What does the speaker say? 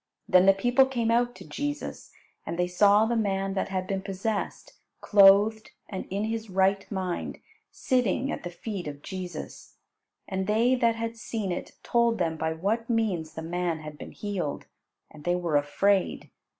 Then the people came out to Jesus, and they saw the man that had been possessed, clothed and in his right mind, sitting at the feet of Jesus. And they that had seen it told them by what means the man had been healed, and they were afraid.